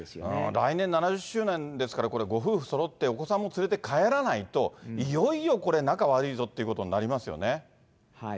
来年７０周年ですから、ご夫婦そろって、お子さんも連れて帰らないと、いよいよこれ、仲悪いぞってことになりますよね。